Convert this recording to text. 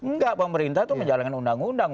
enggak pemerintah itu menjalankan undang undang